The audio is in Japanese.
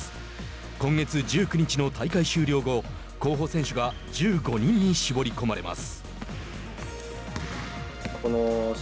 今月１９日の大会終了後候補選手が１５人に絞り込まれます。